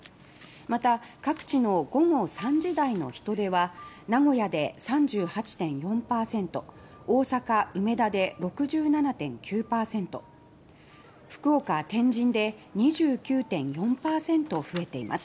また、各地の午後３時台の人出は名古屋で３８．４％大阪・梅田で６７．９％福岡・天神で２９．４％那覇・国際通りで４．６％増えています。